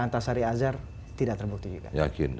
antasari azhar tidak terbukti juga